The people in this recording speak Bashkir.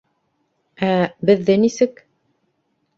Ә, беҙҙе нисек...